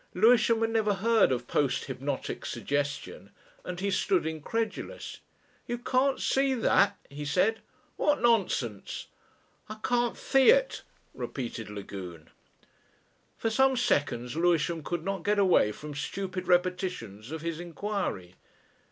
Lewisham had never heard of post hypnotic suggestion and he stood incredulous. "You can't see that?" he said. "What nonsense!" "I can't see it," repeated Lagune. For some seconds Lewisham could not get away from stupid repetitions of his inquiry.